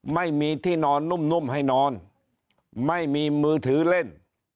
ไม่มีที่นอนนุ่มให้นอนไม่มีมือถือเล่น